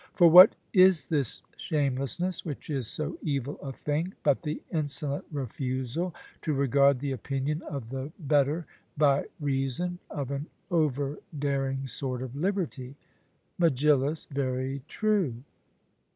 For what is this shamelessness, which is so evil a thing, but the insolent refusal to regard the opinion of the better by reason of an over daring sort of liberty? MEGILLUS: Very true.